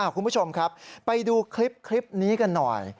คุณผู้ชมครับไปดูคลิปนี้กันหน่อย